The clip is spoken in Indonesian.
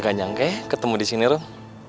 gak nyangka ya ketemu di sini rum